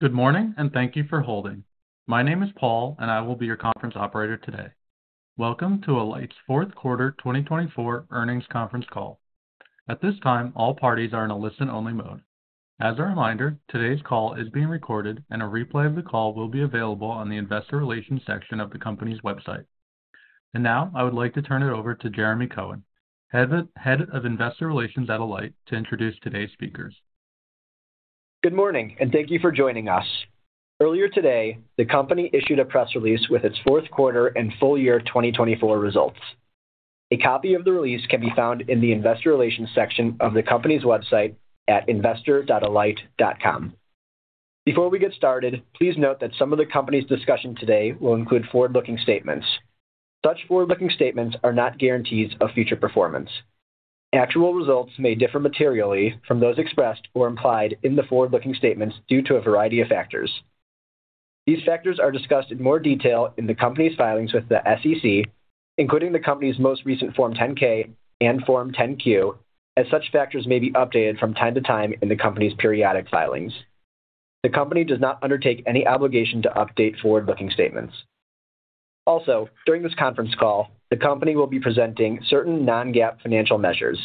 Good morning, and thank you for holding. My name is Paul, and I will be your conference operator today. Welcome to Alight's fourth quarter 2024 earnings conference call. At this time, all parties are in a listen-only mode. As a reminder, today's call is being recorded, and a replay of the call will be available on the Investor Relations section of the company's website. And now, I would like to turn it over to Jeremy Cohen, Head of Investor Relations at Alight, to introduce today's speakers. Good morning, and thank you for joining us. Earlier today, the company issued a press release with its fourth quarter and full year 2024 results. A copy of the release can be found in the Investor Relations section of the company's website at investor.alight.com. Before we get started, please note that some of the company's discussion today will include forward-looking statements. Such forward-looking statements are not guarantees of future performance. Actual results may differ materially from those expressed or implied in the forward-looking statements due to a variety of factors. These factors are discussed in more detail in the company's filings with the SEC, including the company's most recent Form 10-K and Form 10-Q, as such factors may be updated from time to time in the company's periodic filings. The company does not undertake any obligation to update forward-looking statements. Also, during this conference call, the company will be presenting certain non-GAAP financial measures.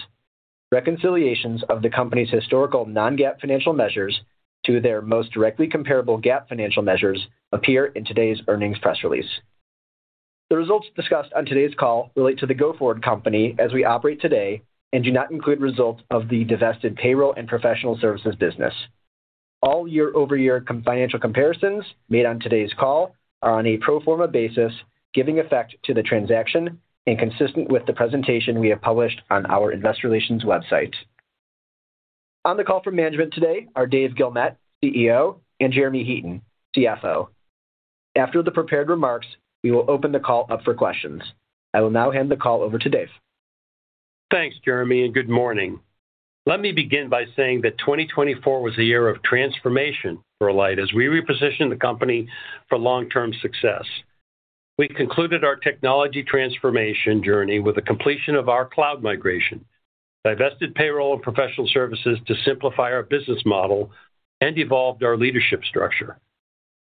Reconciliations of the company's historical non-GAAP financial measures to their most directly comparable GAAP financial measures appear in today's earnings press release. The results discussed on today's call relate to the go-forward company as we operate today and do not include results of the divested Payroll and Professional Services business. All year-over-year financial comparisons made on today's call are on a pro forma basis, giving effect to the transaction and consistent with the presentation we have published on our investor relations website. On the call for management today are Dave Guilmette, CEO, and Jeremy Heaton, CFO. After the prepared remarks, we will open the call up for questions. I will now hand the call over to Dave. Thanks, Jeremy, and good morning. Let me begin by saying that 2024 was a year of transformation for Alight as we repositioned the company for long-term success. We concluded our technology transformation journey with the completion of our cloud migration, divested payroll and professional services to simplify our business model, and evolved our leadership structure.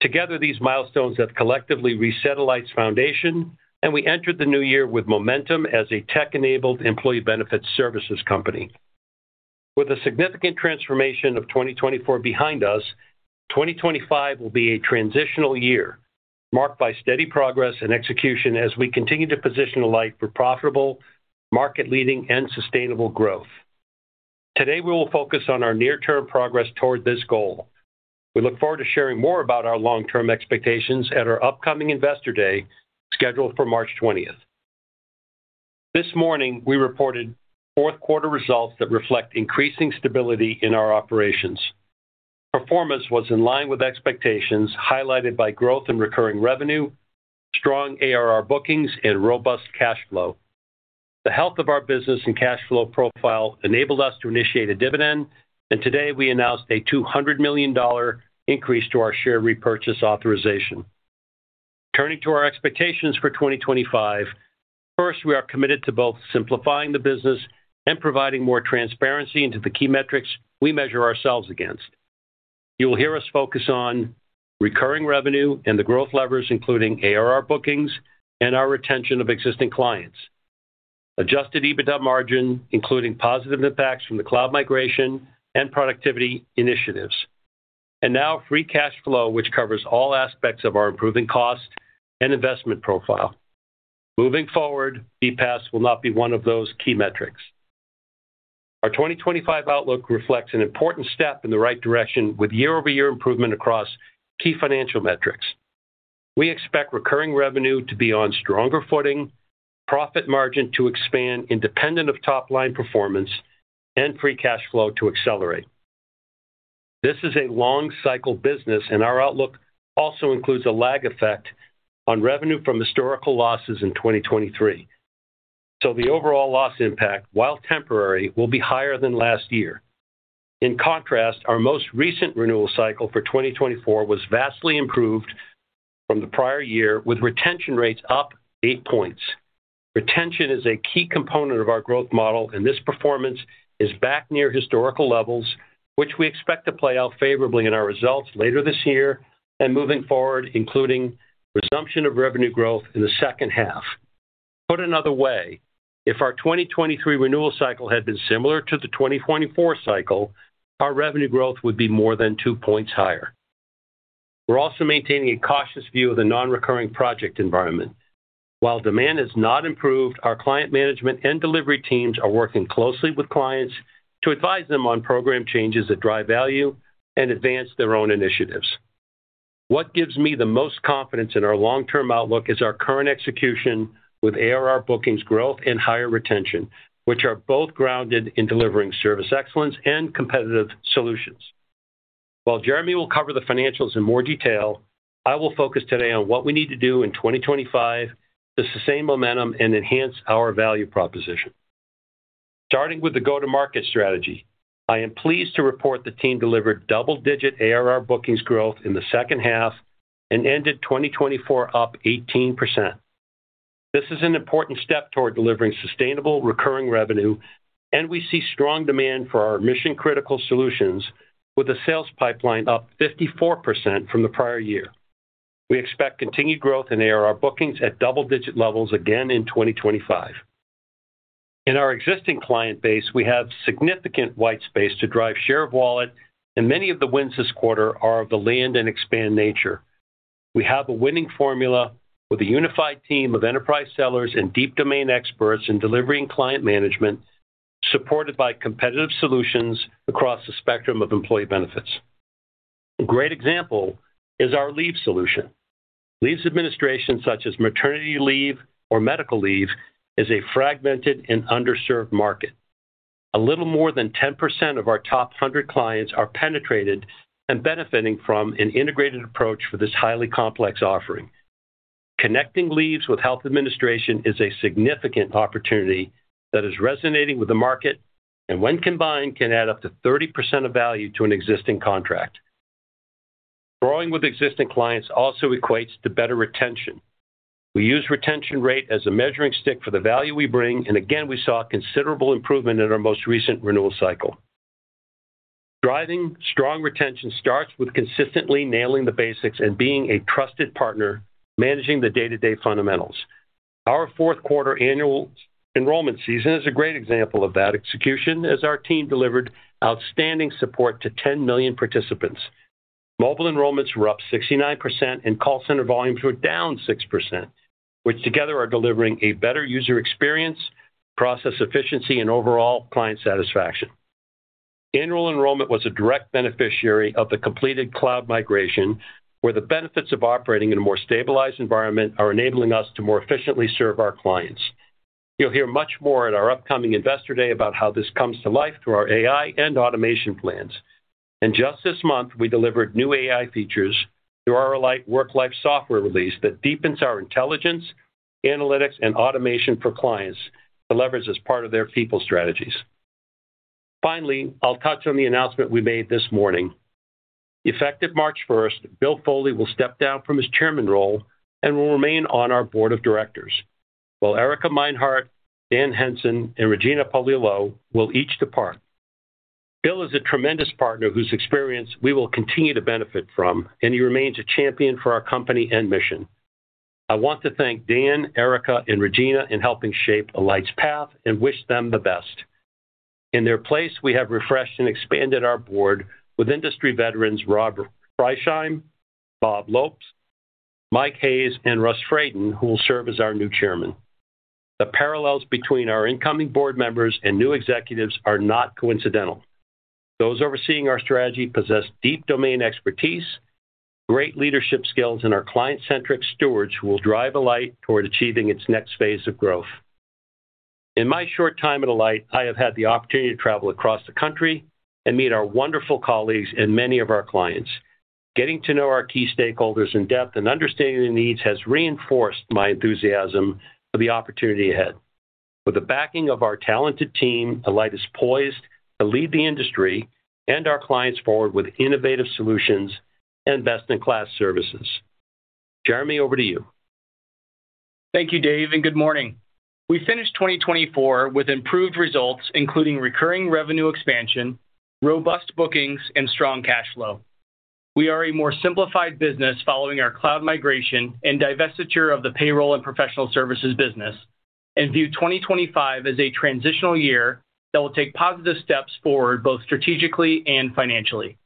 Together, these milestones have collectively reset Alight's foundation, and we entered the new year with momentum as a tech-enabled employee benefits services company. With a significant transformation of 2024 behind us, 2025 will be a transitional year marked by steady progress and execution as we continue to position Alight for profitable, market-leading, and sustainable growth. Today, we will focus on our near-term progress toward this goal. We look forward to sharing more about our long-term expectations at our upcoming Investor Day scheduled for March 20th. This morning, we reported fourth quarter results that reflect increasing stability in our operations. Performance was in line with expectations, highlighted by growth in recurring revenue, strong ARR bookings, and robust cash flow. The health of our business and cash flow profile enabled us to initiate a dividend, and today we announced a $200 million increase to our share repurchase authorization. Turning to our expectations for 2025, first, we are committed to both simplifying the business and providing more transparency into the key metrics we measure ourselves against. You will hear us focus on recurring revenue and the growth levers, including ARR bookings and our retention of existing clients, adjusted EBITDA margin, including positive impacts from the cloud migration and productivity initiatives, and now free cash flow, which covers all aspects of our improving cost and investment profile. Moving forward, BPaaS will not be one of those key metrics. Our 2025 outlook reflects an important step in the right direction with year-over-year improvement across key financial metrics. We expect recurring revenue to be on stronger footing, profit margin to expand independent of top-line performance, and free cash flow to accelerate. This is a long-cycle business, and our outlook also includes a lag effect on revenue from historical losses in 2023. So the overall loss impact, while temporary, will be higher than last year. In contrast, our most recent renewal cycle for 2024 was vastly improved from the prior year, with retention rates up eight points. Retention is a key component of our growth model, and this performance is back near historical levels, which we expect to play out favorably in our results later this year and moving forward, including resumption of revenue growth in the second half. Put another way, if our 2023 renewal cycle had been similar to the 2024 cycle, our revenue growth would be more than two points higher. We're also maintaining a cautious view of the non-recurring project environment. While demand has not improved, our client management and delivery teams are working closely with clients to advise them on program changes that drive value and advance their own initiatives. What gives me the most confidence in our long-term outlook is our current execution with ARR bookings growth and higher retention, which are both grounded in delivering service excellence and competitive solutions. While Jeremy will cover the financials in more detail, I will focus today on what we need to do in 2025 to sustain momentum and enhance our value proposition. Starting with the go-to-market strategy, I am pleased to report the team delivered double-digit ARR bookings growth in the second half and ended 2024 up 18%. This is an important step toward delivering sustainable recurring revenue, and we see strong demand for our mission-critical solutions, with the sales pipeline up 54% from the prior year. We expect continued growth in ARR bookings at double-digit levels again in 2025. In our existing client base, we have significant white space to drive share of wallet, and many of the wins this quarter are of the land and expand nature. We have a winning formula with a unified team of enterprise sellers and deep domain experts in delivering client management, supported by competitive solutions across the spectrum of employee benefits. A great example is our leave solution. Leave administration, such as maternity leave or medical leave, is a fragmented and underserved market. A little more than 10% of our top 100 clients are penetrated and benefiting from an integrated approach for this highly complex offering. Connecting leaves with health administration is a significant opportunity that is resonating with the market, and when combined, can add up to 30% of value to an existing contract. Growing with existing clients also equates to better retention. We use retention rate as a measuring stick for the value we bring, and again, we saw considerable improvement in our most recent renewal cycle. Driving strong retention starts with consistently nailing the basics and being a trusted partner managing the day-to-day fundamentals. Our fourth quarter annual enrollment season is a great example of that execution, as our team delivered outstanding support to 10 million participants. Mobile enrollments were up 69%, and call center volumes were down 6%, which together are delivering a better user experience, process efficiency, and overall client satisfaction. Annual enrollment was a direct beneficiary of the completed cloud migration, where the benefits of operating in a more stabilized environment are enabling us to more efficiently serve our clients. You'll hear much more at our upcoming investor day about how this comes to life through our AI and automation plans. And just this month, we delivered new AI features through our Alight WorkLife software release that deepens our intelligence, analytics, and automation for clients to leverage as part of their people strategies. Finally, I'll touch on the announcement we made this morning. Effective March 1st, Bill Foley will step down from his chairman role and will remain on our Board of Directors, while Erica Meinhardt, Dan Henson, and Regina Paolillo will each depart. Bill is a tremendous partner whose experience we will continue to benefit from, and he remains a champion for our company and mission. I want to thank Dan, Erica, and Regina in helping shape Alight's path and wish them the best. In their place, we have refreshed and expanded our board with industry veterans Rob Friesen, Bob Lopes, Mike Hayes, and Russ Fradin, who will serve as our new chairman. The parallels between our incoming board members and new executives are not coincidental. Those overseeing our strategy possess deep domain expertise, great leadership skills, and our client-centric stewards who will drive Alight toward achieving its next phase of growth. In my short time at Alight, I have had the opportunity to travel across the country and meet our wonderful colleagues and many of our clients. Getting to know our key stakeholders in depth and understanding their needs has reinforced my enthusiasm for the opportunity ahead. With the backing of our talented team, Alight is poised to lead the industry and our clients forward with innovative solutions and best-in-class services. Jeremy, over to you. Thank you, Dave, and good morning. We finished 2024 with improved results, including recurring revenue expansion, robust bookings, and strong cash flow. We are a more simplified business following our cloud migration and divestiture of the payroll and professional services business, and view 2025 as a transitional year that will take positive steps forward both strategically and financially.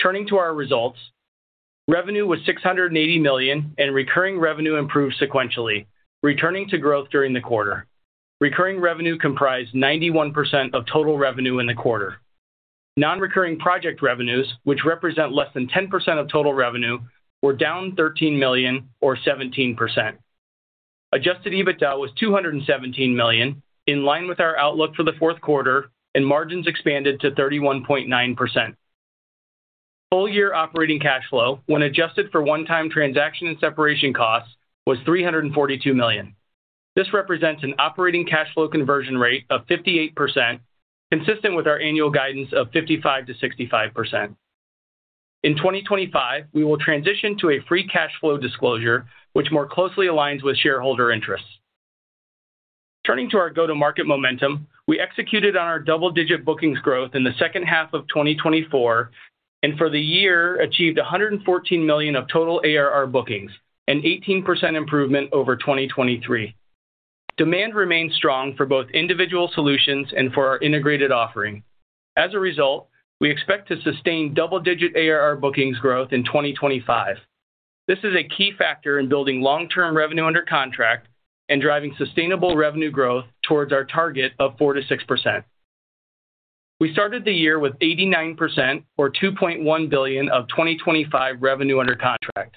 Turning to our results, revenue was $680 million, and recurring revenue improved sequentially, returning to growth during the quarter. Recurring revenue comprised 91% of total revenue in the quarter. Non-recurring project revenues, which represent less than 10% of total revenue, were down 13 million, or 17%. Adjusted EBITDA was $217 million, in line with our outlook for the fourth quarter, and margins expanded to 31.9%. Full year operating cash flow, when adjusted for one-time transaction and separation costs, was $342 million. This represents an operating cash flow conversion rate of 58%, consistent with our annual guidance of 55%-65%. In 2025, we will transition to a free cash flow disclosure, which more closely aligns with shareholder interests. Turning to our go-to-market momentum, we executed on our double-digit bookings growth in the second half of 2024, and for the year achieved $114 million of total ARR bookings, an 18% improvement over 2023. Demand remains strong for both individual solutions and for our integrated offering. As a result, we expect to sustain double-digit ARR bookings growth in 2025. This is a key factor in building long-term revenue under contract and driving sustainable revenue growth towards our target of 4%-6%. We started the year with 89%, or $2.1 billion, of 2025 revenue under contract.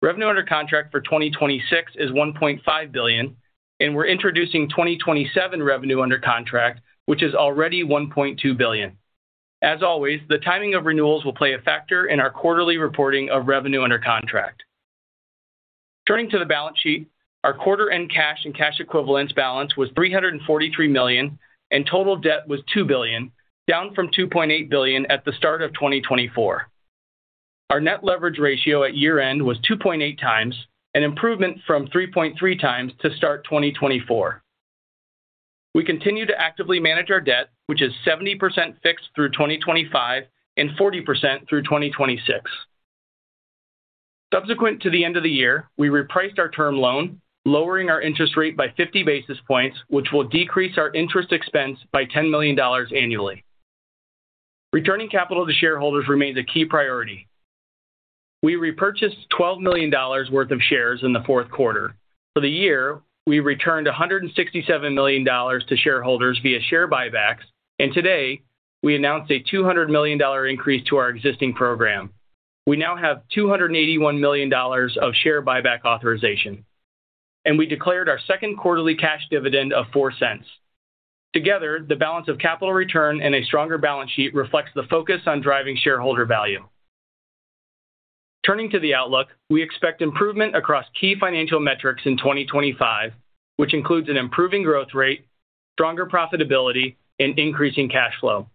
Revenue under contract for 2026 is $1.5 billion, and we're introducing 2027 revenue under contract, which is already $1.2 billion. As always, the timing of renewals will play a factor in our quarterly reporting of revenue under contract. Turning to the balance sheet, our quarter-end cash and cash equivalents balance was $343 million, and total debt was $2 billion, down from $2.8 billion at the start of 2024. Our net leverage ratio at year-end was 2.8 times, an improvement from 3.3 times to start 2024. We continue to actively manage our debt, which is 70% fixed through 2025 and 40% through 2026. Subsequent to the end of the year, we repriced our term loan, lowering our interest rate by 50 basis points, which will decrease our interest expense by $10 million annually. Returning capital to shareholders remains a key priority. We repurchased $12 million worth of shares in the fourth quarter. For the year, we returned $167 million to shareholders via share buybacks, and today we announced a $200 million increase to our existing program. We now have $281 million of share buyback authorization, and we declared our second quarterly cash dividend of $0.04. Together, the balance of capital return and a stronger balance sheet reflects the focus on driving shareholder value. Turning to the outlook, we expect improvement across key financial metrics in 2025, which includes an improving growth rate, stronger profitability, and increasing cash flow.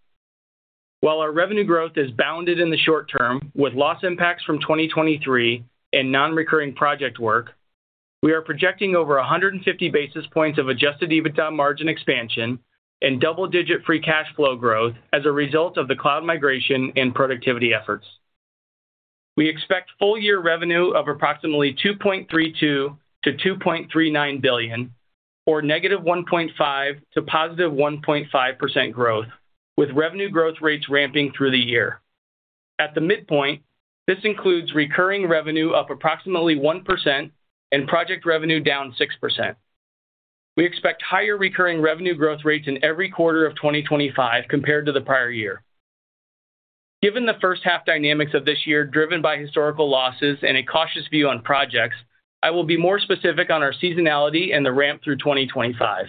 While our revenue growth is bounded in the short term, with loss impacts from 2023 and non-recurring project work, we are projecting over 150 basis points of adjusted EBITDA margin expansion and double-digit free cash flow growth as a result of the cloud migration and productivity efforts. We expect full year revenue of approximately $2.32 billion-$2.39 billion, or -1.5% to +1.5% growth, with revenue growth rates ramping through the year. At the midpoint, this includes recurring revenue up approximately 1% and project revenue down 6%. We expect higher recurring revenue growth rates in every quarter of 2025 compared to the prior year. Given the first-half dynamics of this year driven by historical losses and a cautious view on projects, I will be more specific on our seasonality and the ramp through 2025.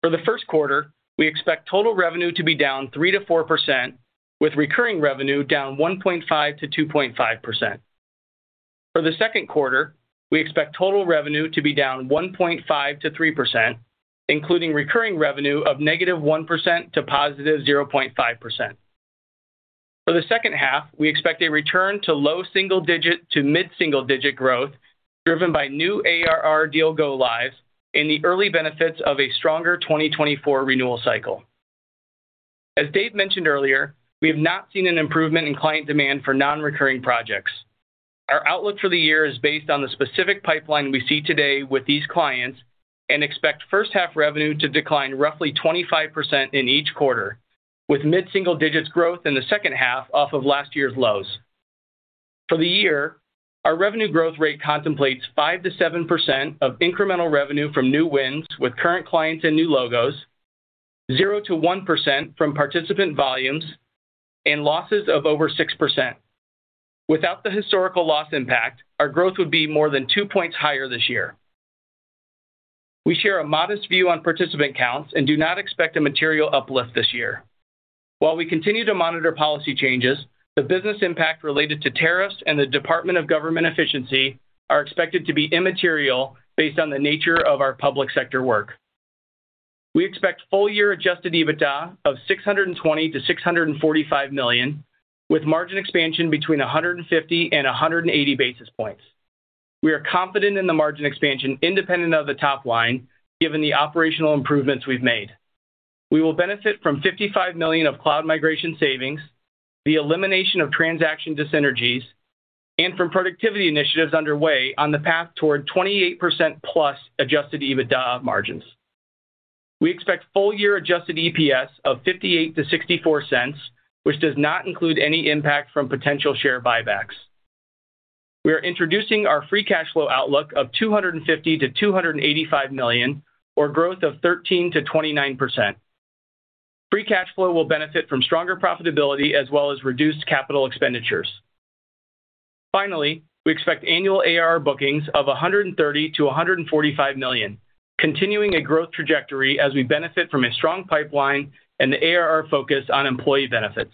For the first quarter, we expect total revenue to be down 3%-4%, with recurring revenue down 1.5%-2.5%. For the second quarter, we expect total revenue to be down 1.5%-3%, including recurring revenue of -1% to +0.5%. For the second half, we expect a return to low single-digit to mid-single-digit growth driven by new ARR deal go-lives and the early benefits of a stronger 2024 renewal cycle. As Dave mentioned earlier, we have not seen an improvement in client demand for non-recurring projects. Our outlook for the year is based on the specific pipeline we see today with these clients and expect first-half revenue to decline roughly 25% in each quarter, with mid-single-digits growth in the second half off of last year's lows. For the year, our revenue growth rate contemplates 5%-7% of incremental revenue from new wins with current clients and new logos, 0%-1% from participant volumes, and losses of over 6%. Without the historical loss impact, our growth would be more than 2 points higher this year. We share a modest view on participant counts and do not expect a material uplift this year. While we continue to monitor policy changes, the business impact related to tariffs and the Department of Government Efficiency are expected to be immaterial based on the nature of our public sector work. We expect full year adjusted EBITDA of $620 million-$645 million, with margin expansion between 150 and 180 basis points. We are confident in the margin expansion independent of the top line, given the operational improvements we've made. We will benefit from $55 million of cloud migration savings, the elimination of transaction dis-synergies, and from productivity initiatives underway on the path toward 28% plus adjusted EBITDA margins. We expect full year adjusted EPS of $0.58-$0.64, which does not include any impact from potential share buybacks. We are introducing our free cash flow outlook of $250 million-$285 million, or growth of 13%-29%. Free cash flow will benefit from stronger profitability as well as reduced capital expenditures. Finally, we expect annual ARR bookings of $130 million-$145 million, continuing a growth trajectory as we benefit from a strong pipeline and the ARR focus on employee benefits.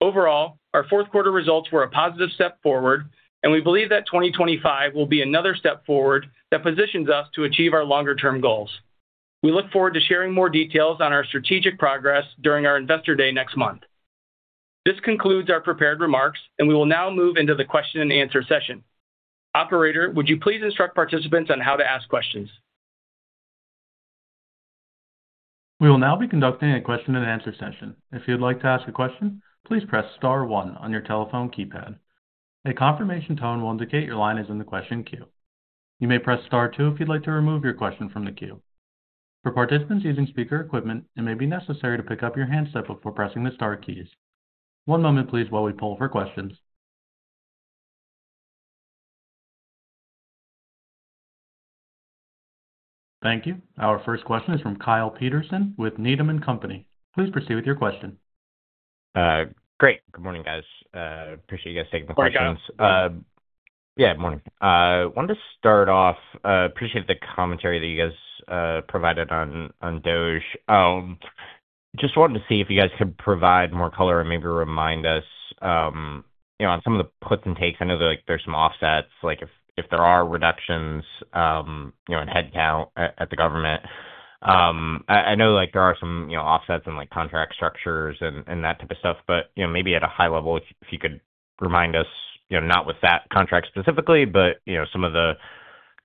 Overall, our fourth quarter results were a positive step forward, and we believe that 2025 will be another step forward that positions us to achieve our longer-term goals. We look forward to sharing more details on our strategic progress during our investor day next month. This concludes our prepared remarks, and we will now move into the question-and-answer session. Operator, would you please instruct participants on how to ask questions? We will now be conducting a question-and-answer session. If you'd like to ask a question, please press Star one on your telephone keypad. A confirmation tone will indicate your line is in the question queue. You may press Star two if you'd like to remove your question from the queue. For participants using speaker equipment, it may be necessary to pick up your handset before pressing the Star keys. One moment, please, while we pull for questions. Thank you. Our first question is from Kyle Peterson with Needham & Company. Please proceed with your question. Great. Good morning, guys. Appreciate you guys taking the questions. Good morning, Kyle. Yeah, good morning. I wanted to start off, appreciate the commentary that you guys provided on DOGE. Just wanted to see if you guys could provide more color and maybe remind us on some of the puts and takes. I know there's some offsets, like if there are reductions in headcount at the government. I know there are some offsets in contract structures and that type of stuff, but maybe at a high level, if you could remind us, not with that contract specifically, but some of the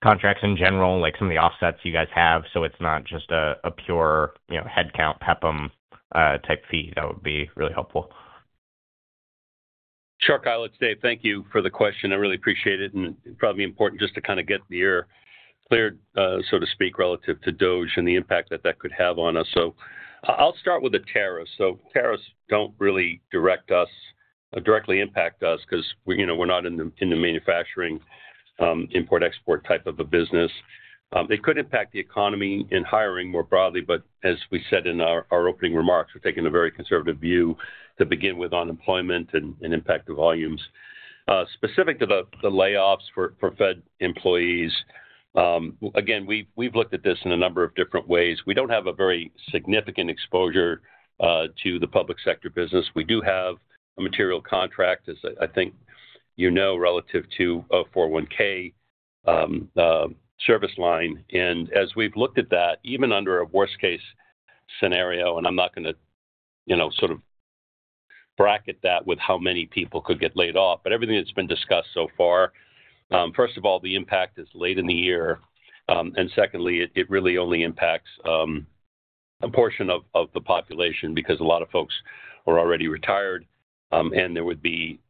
contracts in general, like some of the offsets you guys have, so it's not just a pure headcount PEPM type fee. That would be really helpful. Sure, Kyle. It's Dave. Thank you for the question. I really appreciate it, and it'd probably be important just to kind of get the air cleared, so to speak, relative to DOGE and the impact that that could have on us. So I'll start with the tariffs. So tariffs don't really directly impact us because we're not in the manufacturing, import-export type of a business. It could impact the economy and hiring more broadly, but as we said in our opening remarks, we're taking a very conservative view to begin with on employment and impact the volumes. Specific to the layoffs for Fed employees, again, we've looked at this in a number of different ways. We don't have a very significant exposure to the public sector business. We do have a material contract, as I think you know, relative to a 401(k) service line. As we've looked at that, even under a worst-case scenario, and I'm not going to sort of bracket that with how many people could get laid off, but everything that's been discussed so far, first of all, the impact is late in the year. Secondly, it really only impacts a portion of the population because a lot of folks are already retired, and there would be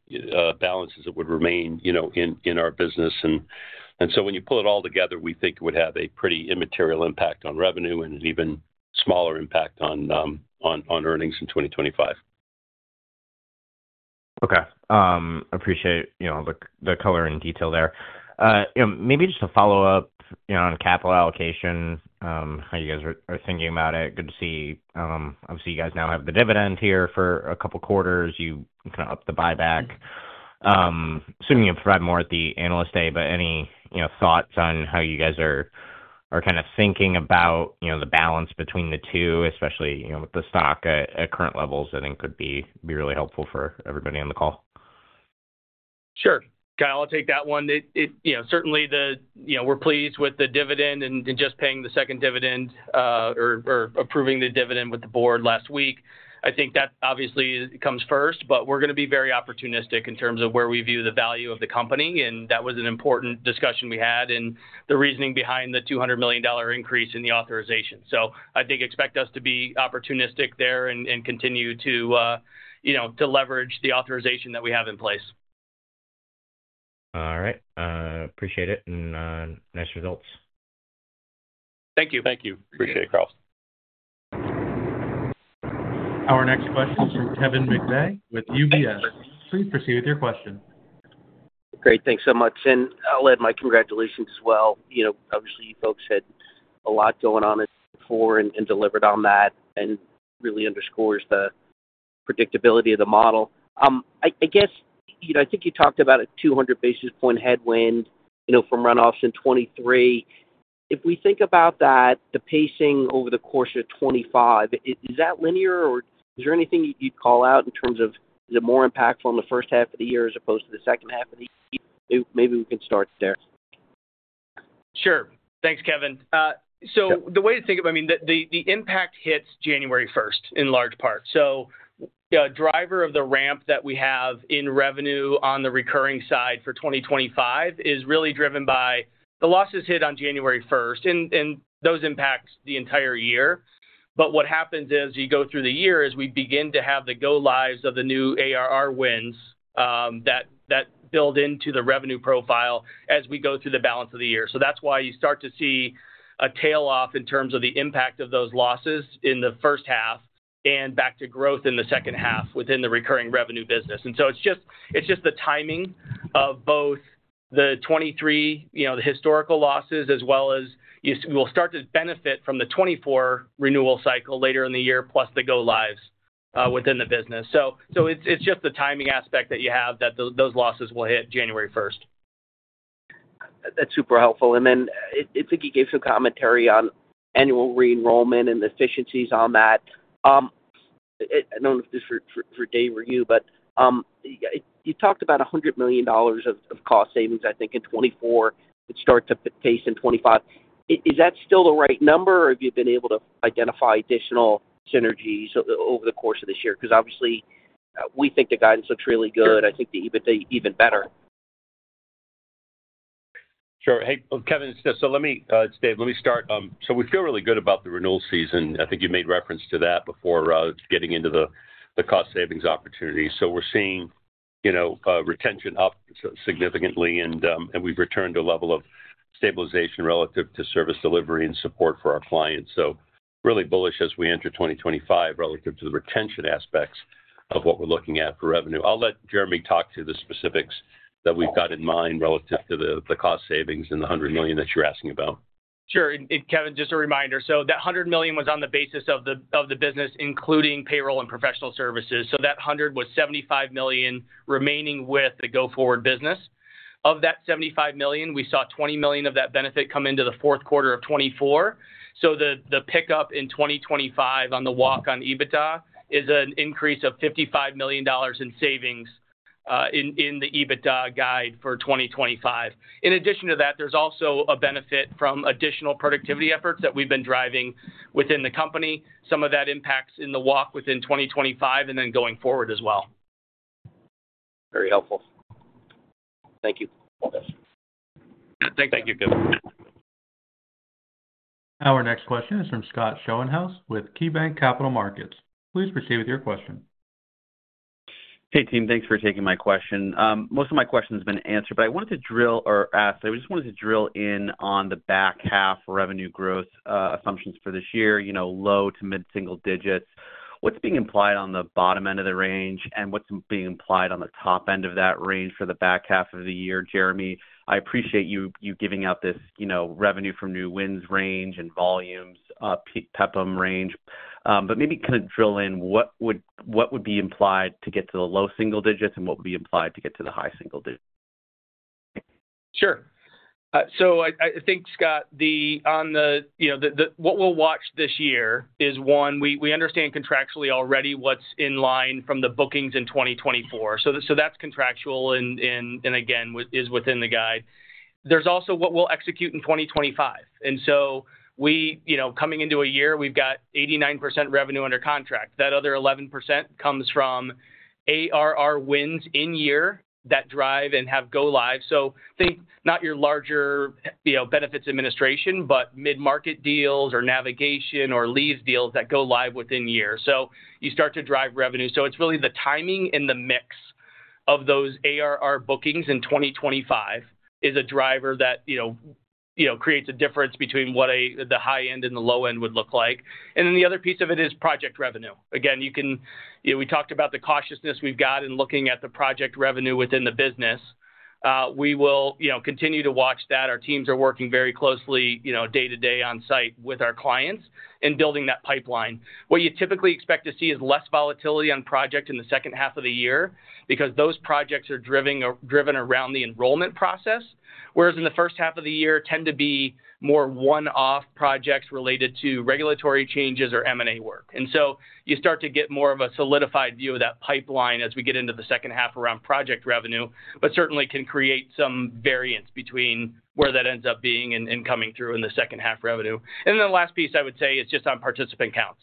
balances that would remain in our business. So when you pull it all together, we think it would have a pretty immaterial impact on revenue and an even smaller impact on earnings in 2025. Okay. Appreciate the color and detail there. Maybe just a follow-up on capital allocation, how you guys are thinking about it. Good to see, obviously, you guys now have the dividend here for a couple of quarters. You kind of upped the buyback. Assuming you can provide more at the analyst day, but any thoughts on how you guys are kind of thinking about the balance between the two, especially with the stock at current levels, I think could be really helpful for everybody on the call. Sure. Kyle, I'll take that one. Certainly, we're pleased with the dividend and just paying the second dividend or approving the dividend with the board last week. I think that obviously comes first, but we're going to be very opportunistic in terms of where we view the value of the company. And that was an important discussion we had and the reasoning behind the $200 million increase in the authorization. So I think expect us to be opportunistic there and continue to leverage the authorization that we have in place. All right. Appreciate it and nice results. Thank you. Thank you. Appreciate it, Kyle. Our next question is from Kevin McVeigh with UBS. Please proceed with your question. Great. Thanks so much. And I'll add my congratulations as well. Obviously, you folks had a lot going on for and delivered on that and really underscores the predictability of the model. I guess I think you talked about a 200 basis points headwind from runoffs in 2023. If we think about that, the pacing over the course of 2025, is that linear or is there anything you'd call out in terms of is it more impactful in the first half of the year as opposed to the second half of the year? Maybe we can start there. Sure. Thanks, Kevin. So the way to think of it, I mean, the impact hits January 1st in large part. So the driver of the ramp that we have in revenue on the recurring side for 2025 is really driven by the losses hit on January 1st, and those impact the entire year. But what happens as you go through the year is we begin to have the go-lives of the new ARR wins that build into the revenue profile as we go through the balance of the year. So that's why you start to see a tail off in terms of the impact of those losses in the first half and back to growth in the second half within the recurring revenue business. And so it's just the timing of both the 2023, the historical losses, as well as we'll start to benefit from the 2024 renewal cycle later in the year plus the go-lives within the business. So it's just the timing aspect that you have that those losses will hit January 1st. That's super helpful and then I think you gave some commentary on annual re-enrollment and the efficiencies on that. I don't know if this is for Dave or you, but you talked about $100 million of cost savings, I think, in 2024. It starts to pace in 2025. Is that still the right number, or have you been able to identify additional synergies over the course of this year? Because obviously, we think the guidance looks really good. I think the EBITDA even better. Sure. Hey, Kevin, so let me, Dave, let me start. So we feel really good about the renewal season. I think you made reference to that before getting into the cost savings opportunity. So we're seeing retention up significantly, and we've returned to a level of stabilization relative to service delivery and support for our clients. So really bullish as we enter 2025 relative to the retention aspects of what we're looking at for revenue. I'll let Jeremy talk to the specifics that we've got in mind relative to the cost savings and the $100 million that you're asking about. Sure. And Kevin, just a reminder, so that $100 million was on the basis of the business, including payroll and professional services. So that $100 was $75 million remaining with the go-forward business. Of that $75 million, we saw $20 million of that benefit come into the fourth quarter of 2024. So the pickup in 2025 on the walk on EBITDA is an increase of $55 million in savings in the EBITDA guide for 2025. In addition to that, there's also a benefit from additional productivity efforts that we've been driving within the company. Some of that impacts in the walk within 2025 and then going forward as well. Very helpful. Thank you. Thank you, Kevin. Our next question is from Scott Schoenhaus with KeyBanc Capital Markets. Please proceed with your question. Hey, team, thanks for taking my question. Most of my questions have been answered, but I just wanted to drill in on the back half revenue growth assumptions for this year, low to mid-single digits. What's being implied on the bottom end of the range, and what's being implied on the top end of that range for the back half of the year? Jeremy, I appreciate you giving out this revenue from new wins range and volumes PEPM range, but maybe kind of drill in what would be implied to get to the low single digits and what would be implied to get to the high single digits. Sure. So I think, Scott, on what we'll watch this year is, one, we understand contractually already what's in line from the bookings in 2024. So that's contractual and, again, is within the guide. There's also what we'll execute in 2025. And so coming into a year, we've got 89% revenue under contract. That other 11% comes from ARR wins in year that drive and have go-live. So think not your larger benefits administration, but mid-market deals or navigation or leave deals that go live within year. So you start to drive revenue. So it's really the timing and the mix of those ARR bookings in 2025 is a driver that creates a difference between what the high end and the low end would look like. And then the other piece of it is project revenue. Again, we talked about the cautiousness we've got in looking at the project revenue within the business. We will continue to watch that. Our teams are working very closely day-to-day on site with our clients in building that pipeline. What you typically expect to see is less volatility on project in the second half of the year because those projects are driven around the enrollment process, whereas in the first half of the year tend to be more one-off projects related to regulatory changes or M&A work. And so you start to get more of a solidified view of that pipeline as we get into the second half around project revenue, but certainly can create some variance between where that ends up being and coming through in the second half revenue. And then the last piece I would say is just on participant counts.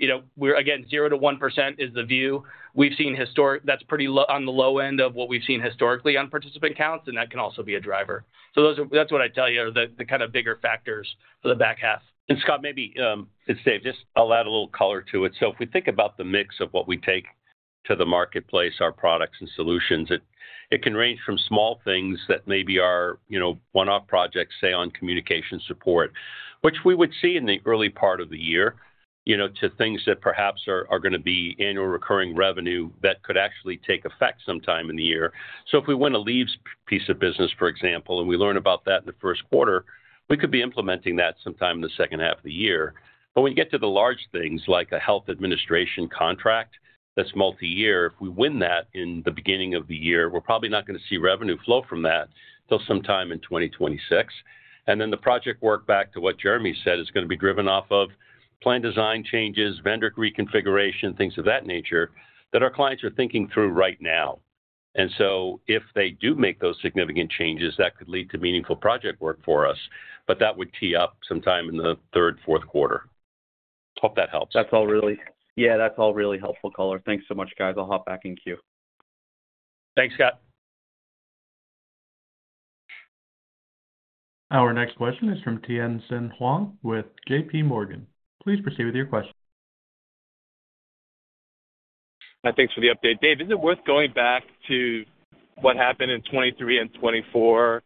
Again, 0%-1% is the view we've seen historically. That's pretty on the low end of what we've seen historically on participant counts, and that can also be a driver. So that's what I'd tell you are the kind of bigger factors for the back half. And Scott, maybe it's Dave. Just I'll add a little color to it. So if we think about the mix of what we take to the marketplace, our products and solutions, it can range from small things that maybe are one-off projects, say, on communication support, which we would see in the early part of the year, to things that perhaps are going to be annual recurring revenue that could actually take effect sometime in the year. So if we win a leave piece of business, for example, and we learn about that in the first quarter, we could be implementing that sometime in the second half of the year. But when you get to the large things like a health administration contract that's multi-year, if we win that in the beginning of the year, we're probably not going to see revenue flow from that till sometime in 2026. And then the project work back to what Jeremy said is going to be driven off of plan design changes, vendor reconfiguration, things of that nature that our clients are thinking through right now. And so if they do make those significant changes, that could lead to meaningful project work for us, but that would tee up sometime in the third, fourth quarter. Hope that helps. That's all really, yeah. That's all really helpful, CFO. Thanks so much, guys. I'll hop back in queue. Thanks, Scott. Our next question is from Tien-Tsin Huang with JPMorgan. Please proceed with your question. Hi, thanks for the update. Dave, is it worth going back to what happened in 2023 and 2024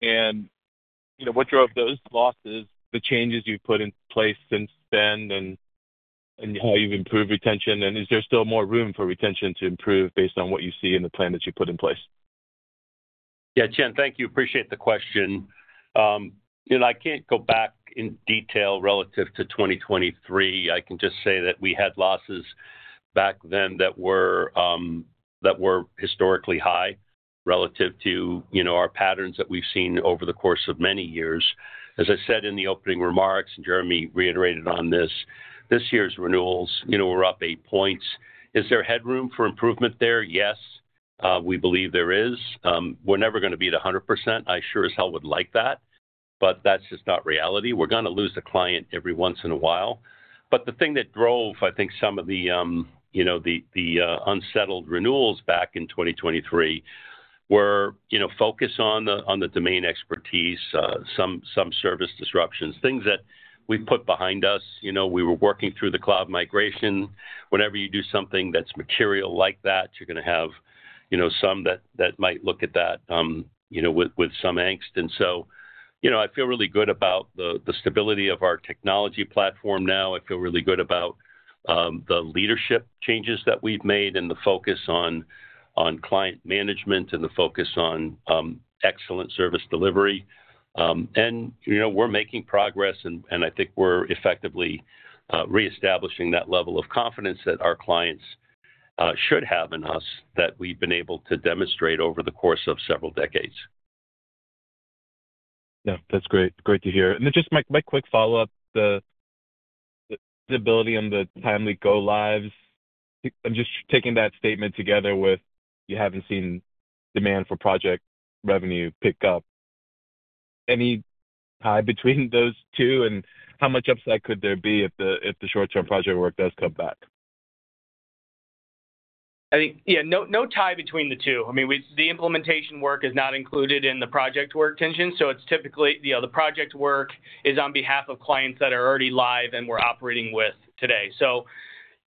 and what drove those losses, the changes you've put in place since then and how you've improved retention, and is there still more room for retention to improve based on what you see in the plan that you put in place? Yeah, Tien, thank you. Appreciate the question. I can't go back in detail relative to 2023. I can just say that we had losses back then that were historically high relative to our patterns that we've seen over the course of many years. As I said in the opening remarks, and Jeremy reiterated on this, this year's renewals, we're up eight points. Is there headroom for improvement there? Yes, we believe there is. We're never going to be at 100%. I sure as hell would like that, but that's just not reality. We're going to lose a client every once in a while. But the thing that drove, I think, some of the unsettled renewals back in 2023 were focus on the domain expertise, some service disruptions, things that we've put behind us. We were working through the cloud migration. Whenever you do something that's material like that, you're going to have some that might look at that with some angst. And so I feel really good about the stability of our technology platform now. I feel really good about the leadership changes that we've made and the focus on client management and the focus on excellent service delivery. And we're making progress, and I think we're effectively reestablishing that level of confidence that our clients should have in us that we've been able to demonstrate over the course of several decades. Yeah, that's great. Great to hear. And then just my quick follow-up, the stability on the timely go-lives, I'm just taking that statement together with you haven't seen demand for project revenue pick up. Any tie between those two? And how much upside could there be if the short-term project work does come back? I think, yeah, no tie between the two. I mean, the implementation work is not included in the project work extension. So it's typically the project work is on behalf of clients that are already live and we're operating with today.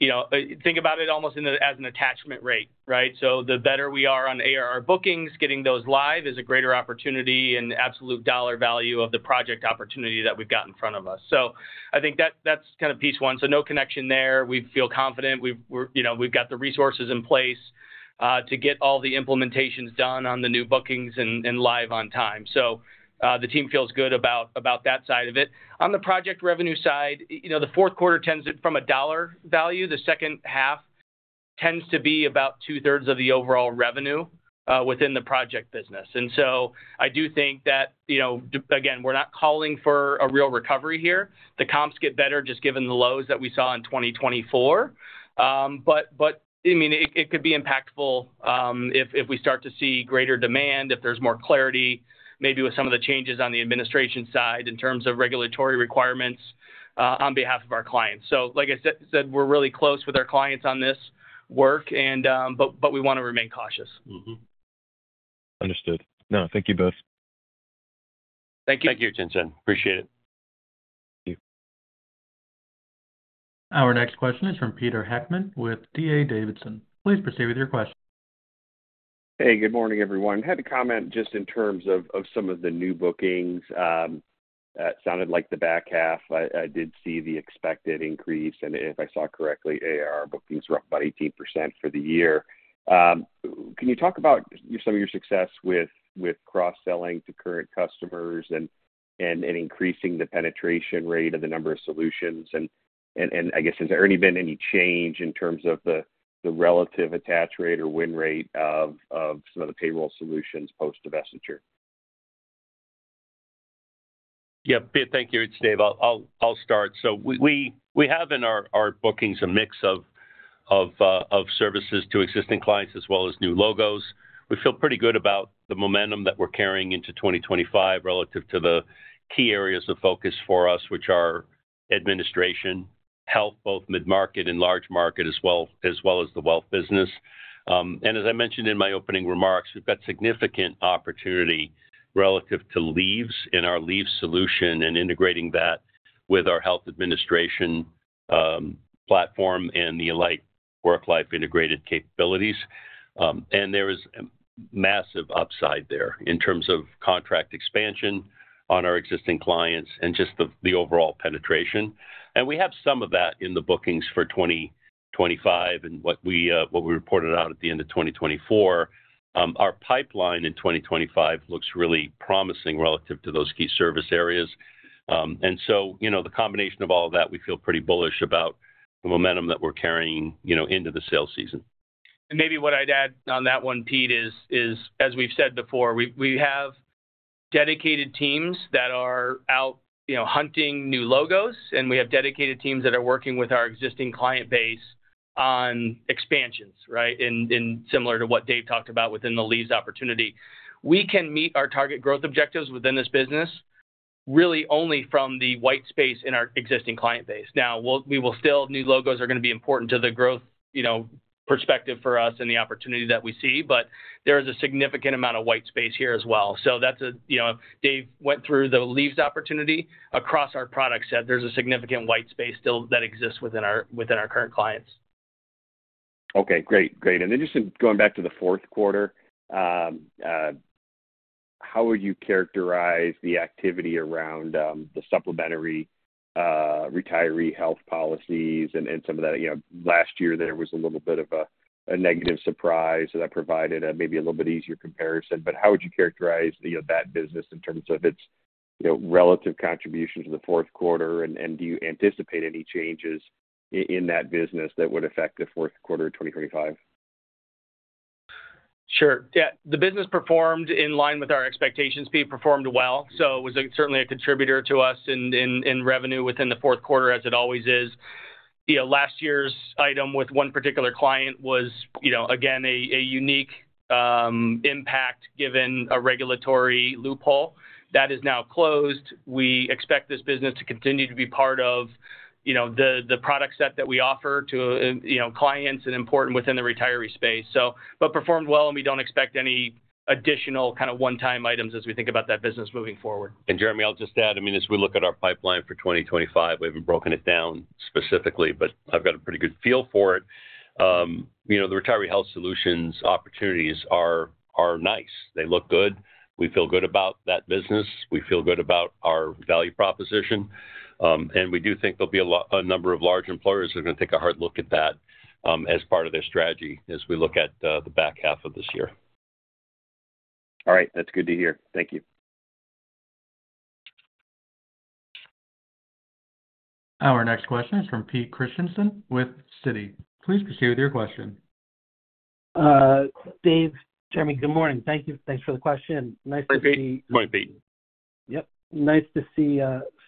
So think about it almost as an attachment rate, right? So the better we are on ARR bookings, getting those live is a greater opportunity and absolute dollar value of the project opportunity that we've got in front of us. So I think that's kind of piece one. So no connection there. We feel confident. We've got the resources in place to get all the implementations done on the new bookings and live on time. So the team feels good about that side of it. On the project revenue side, the fourth quarter tends from a dollar value. The second half tends to be about two-thirds of the overall revenue within the project business. And so I do think that, again, we're not calling for a real recovery here. The comps get better just given the lows that we saw in 2024. But I mean, it could be impactful if we start to see greater demand, if there's more clarity, maybe with some of the changes on the administration side in terms of regulatory requirements on behalf of our clients. So like I said, we're really close with our clients on this work, but we want to remain cautious. Understood. No, thank you both. Thank you. Thank you, Tien-tsin. Appreciate it. Thank you. Our next question is from Peter Heckman with D.A. Davidson. Please proceed with your question. Hey, good morning, everyone. I had a comment just in terms of some of the new bookings. It sounded like the back half. I did see the expected increase, and if I saw correctly, ARR bookings were up about 18% for the year. Can you talk about some of your success with cross-selling to current customers and increasing the penetration rate of the number of solutions? And I guess, has there already been any change in terms of the relative attach rate or win rate of some of the payroll solutions post-investiture? Yeah, Pete, thank you. It's Dave. I'll start. So we have in our bookings a mix of services to existing clients as well as new logos. We feel pretty good about the momentum that we're carrying into 2025 relative to the key areas of focus for us, which are administration, health, both mid-market and large market, as well as the wealth business. And as I mentioned in my opening remarks, we've got significant opportunity relative to leaves in our leave solution and integrating that with our health administration platform and the Alight WorkLife integrated capabilities. And there is massive upside there in terms of contract expansion on our existing clients and just the overall penetration. And we have some of that in the bookings for 2025 and what we reported out at the end of 2024. Our pipeline in 2025 looks really promising relative to those key service areas. And so the combination of all of that, we feel pretty bullish about the momentum that we're carrying into the sales season. And maybe what I'd add on that one, Pete, is, as we've said before, we have dedicated teams that are out hunting new logos, and we have dedicated teams that are working with our existing client base on expansions, right, similar to what Dave talked about within the leaves opportunity. We can meet our target growth objectives within this business really only from the white space in our existing client base. Now, we will still have new logos that are going to be important to the growth perspective for us and the opportunity that we see, but there is a significant amount of white space here as well. So Dave went through the leaves opportunity across our products, said there's a significant white space still that exists within our current clients. Okay, great. Great. And then just going back to the fourth quarter, how would you characterize the activity around the supplementary retiree health policies and some of that? Last year, there was a little bit of a negative surprise, so that provided maybe a little bit easier comparison. But how would you characterize that business in terms of its relative contribution to the fourth quarter? And do you anticipate any changes in that business that would affect the fourth quarter of 2025? Sure. Yeah. The business performed in line with our expectations. It performed well. So it was certainly a contributor to us in revenue within the fourth quarter, as it always is. Last year's item with one particular client was, again, a unique impact given a regulatory loophole. That is now closed. We expect this business to continue to be part of the product set that we offer to clients and important within the retiree space. But performed well, and we don't expect any additional kind of one-time items as we think about that business moving forward. And Jeremy, I'll just add, I mean, as we look at our pipeline for 2025, we haven't broken it down specifically, but I've got a pretty good feel for it. The retiree health solutions opportunities are nice. They look good. We feel good about that business. We feel good about our value proposition. And we do think there'll be a number of large employers who are going to take a hard look at that as part of their strategy as we look at the back half of this year. All right. That's good to hear. Thank you. Our next question is from Peter Christiansen with Citi. Please proceed with your question. Dave, Jeremy, good morning. Thank you. Thanks for the question. Nice to see. Hi, Pete. Yep. Nice to see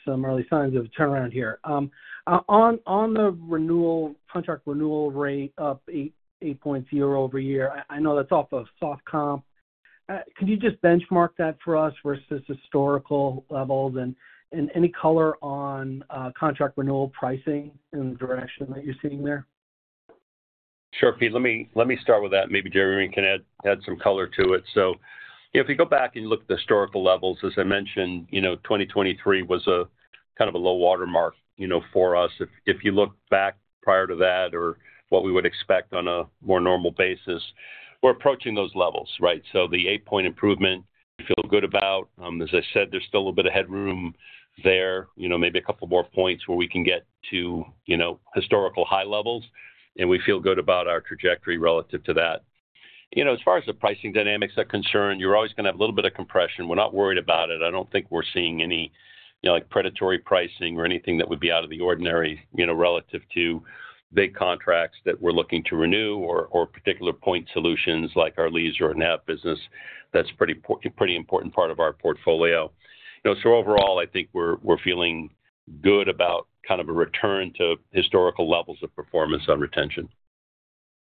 some early signs of a turnaround here. On the contract renewal rate up 8.0% year-over-year, I know that's off of soft comp. Can you just benchmark that for us versus historical levels and any color on contract renewal pricing in the direction that you're seeing there? Sure, Pete. Let me start with that. Maybe Jeremy can add some color to it. So if you go back and you look at the historical levels, as I mentioned, 2023 was kind of a low watermark for us. If you look back prior to that or what we would expect on a more normal basis, we're approaching those levels, right? So the eight-point improvement, we feel good about. As I said, there's still a little bit of headroom there, maybe a couple more points where we can get to historical high levels, and we feel good about our trajectory relative to that. As far as the pricing dynamics are concerned, you're always going to have a little bit of compression. We're not worried about it. I don't think we're seeing any predatory pricing or anything that would be out of the ordinary relative to big contracts that we're looking to renew or particular point solutions like our leave or net business. That's a pretty important part of our portfolio. So overall, I think we're feeling good about kind of a return to historical levels of performance on retention.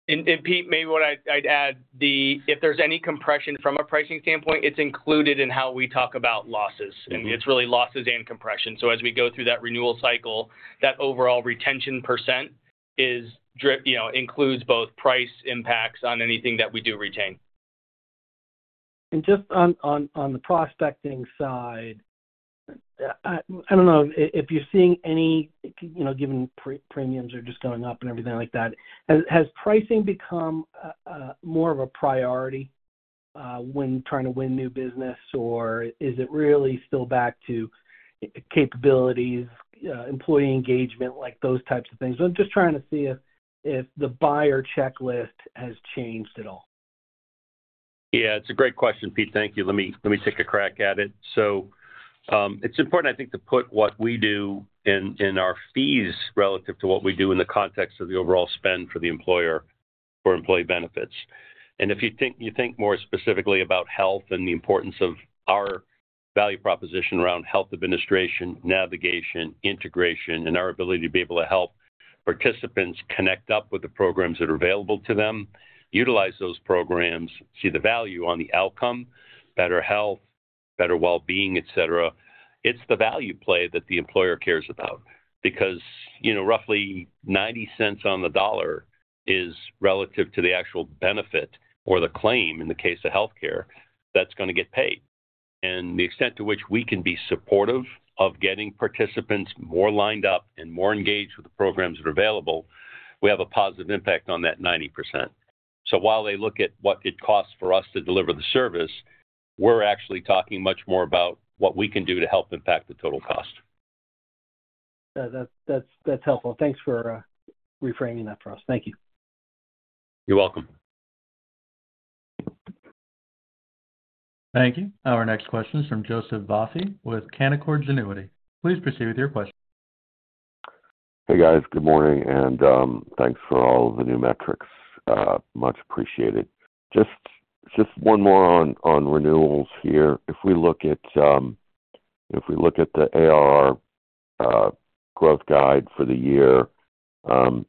And Pete, maybe what I'd add, if there's any compression from a pricing standpoint, it's included in how we talk about losses. And it's really losses and compression. So as we go through that renewal cycle, that overall retention percent includes both price impacts on anything that we do retain. Just on the prospecting side, I don't know if you're seeing any, given premiums are just going up and everything like that. Has pricing become more of a priority when trying to win new business, or is it really still back to capabilities, employee engagement, those types of things? I'm just trying to see if the buyer checklist has changed at all. Yeah, it's a great question, Pete. Thank you. Let me take a crack at it. So it's important, I think, to put what we do in our fees relative to what we do in the context of the overall spend for the employer or employee benefits. And if you think more specifically about health and the importance of our value proposition around health administration, navigation, integration, and our ability to be able to help participants connect up with the programs that are available to them, utilize those programs, see the value on the outcome, better health, better well-being, etc., it's the value play that the employer cares about because roughly 90 cents on the dollar is relative to the actual benefit or the claim in the case of healthcare that's going to get paid. The extent to which we can be supportive of getting participants more lined up and more engaged with the programs that are available, we have a positive impact on that 90%. While they look at what it costs for us to deliver the service, we're actually talking much more about what we can do to help impact the total cost. That's helpful. Thanks for reframing that for us. Thank you. You're welcome. Thank you. Our next question is from Joseph Vafi with Canaccord Genuity. Please proceed with your question. Hey, guys. Good morning, and thanks for all of the new metrics. Much appreciated. Just one more on renewals here. If we look at the ARR growth guide for the year,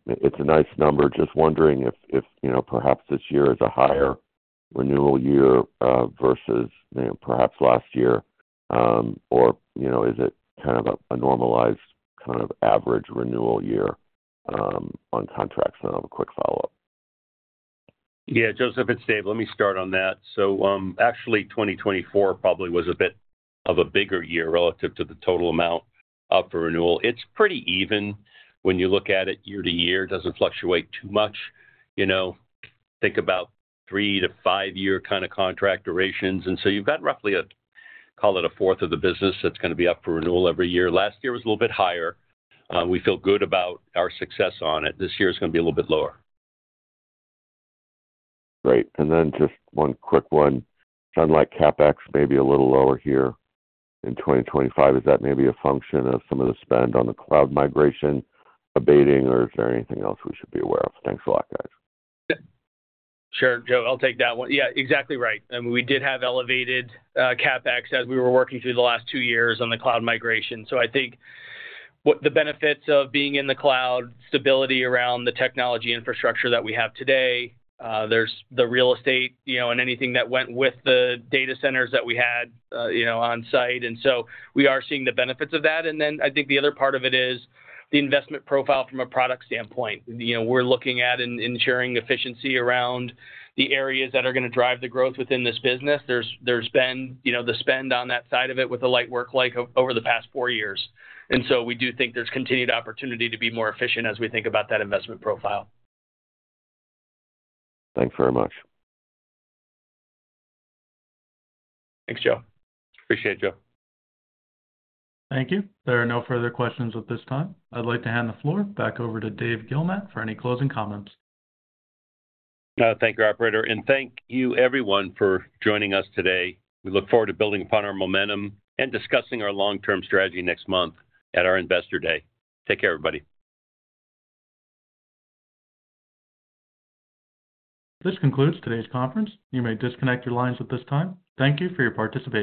it's a nice number. Just wondering if perhaps this year is a higher renewal year versus perhaps last year, or is it kind of a normalized kind of average renewal year on contracts? I have a quick follow-up. Yeah, Joseph, it's Dave. Let me start on that. So actually, 2024 probably was a bit of a bigger year relative to the total amount up for renewal. It's pretty even when you look at it year to year. It doesn't fluctuate too much. Think about three to five-year kind of contract durations. And so you've got roughly, call it a fourth of the business that's going to be up for renewal every year. Last year was a little bit higher. We feel good about our success on it. This year is going to be a little bit lower. Great. And then just one quick one. Sounded like CapEx may be a little lower here in 2025. Is that maybe a function of some of the spend on the cloud migration abating, or is there anything else we should be aware of? Thanks a lot, guys. Sure. Joe, I'll take that one. Yeah, exactly right. We did have elevated CapEx as we were working through the last two years on the cloud migration, so I think the benefits of being in the cloud, stability around the technology infrastructure that we have today, the real estate and anything that went with the data centers that we had on site, and so we are seeing the benefits of that, and then I think the other part of it is the investment profile from a product standpoint. We're looking at ensuring efficiency around the areas that are going to drive the growth within this business. There's been the spend on that side of it with Alight WorkLife over the past four years, and so we do think there's continued opportunity to be more efficient as we think about that investment profile. Thanks very much. Thanks, Joe. Appreciate it, Joe. Thank you. There are no further questions at this time. I'd like to hand the floor back over to Dave Guilmette for any closing comments. No, thank you, Operator. And thank you, everyone, for joining us today. We look forward to building upon our momentum and discussing our long-term strategy next month at our investor day. Take care, everybody. This concludes today's conference. You may disconnect your lines at this time. Thank you for your participation.